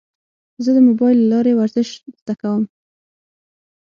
زه د موبایل له لارې ورزش زده کوم.